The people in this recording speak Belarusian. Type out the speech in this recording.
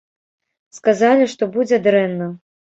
Сказалі, што будзе дрэнна.